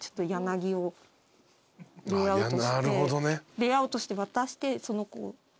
レイアウトして渡してその子を利用する。